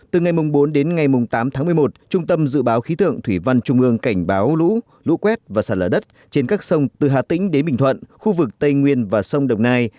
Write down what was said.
từ ngày bốn đến ngày tám tháng một mươi một trung tâm dự báo khí tượng thủy văn trung ương cảnh báo lũ lũ quét và sạt lở đất trên các sông từ hà tĩnh đến bình thuận khu vực tây nguyên và sông đồng nai